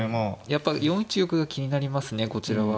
やっぱり４一玉気になりますねこちらは。